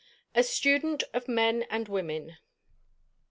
A STUDENT OF MEN AND WOMEN.